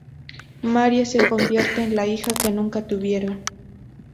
Marie se convierte en la hija que nunca tuvieron.